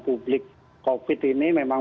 publik covid ini memang